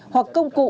hoặc công cụ